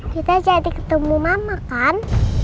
kita jadi ketemu mama kan